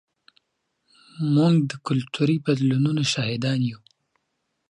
موږ د کلتوري بدلونونو شاهدان یو.